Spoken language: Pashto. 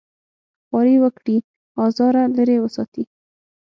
خواري وکړي ازاره لرې وساتي.